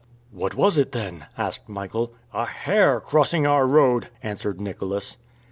"What was it then?" asked Michael. "A hare crossing our road!" answered Nicholas.